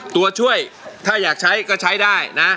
ตัวช่วยถ้าอยากใช้ก็ใช้ได้นะ